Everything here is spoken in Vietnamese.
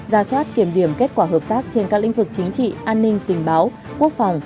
ra soát kiểm điểm kết quả hợp tác trên các lĩnh vực chính trị an ninh tình báo quốc phòng